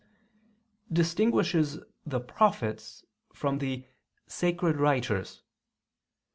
distinguishes the "prophets" from the "sacred writers."